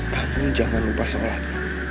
kamu jangan lupa sholat